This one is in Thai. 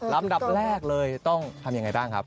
ลำดับแรกเลยต้องทำยังไงบ้างครับ